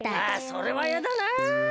それはやだな。